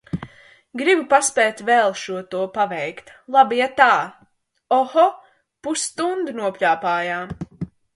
Gribu paspēt vēl šo to paveikt, labi atā! Oho, pusstundu nopļāpājām.